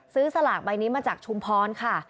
สลากใบนี้มาจากชุมพรค่ะ